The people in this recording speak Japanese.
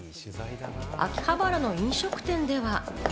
秋葉原の飲食店では。